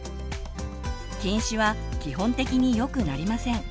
近視は基本的によくなりません。